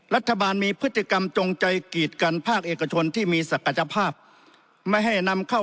รัฐบาลมีพฤติกรรมจงใจกีดกันภาคเอกชนที่มีศักยภาพไม่ให้นำเข้า